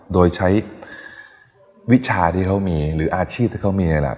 โดยใช้วิชาที่เขามีหรืออาชีพที่เขามีนี่แหละ